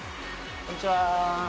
こんにちは。